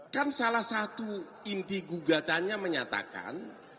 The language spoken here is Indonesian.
kan salah satu inti gugatannya menyatakan